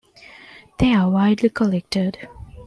They are widely collected.